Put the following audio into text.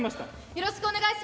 よろしくお願いします。